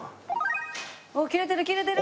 切れてる切れてる！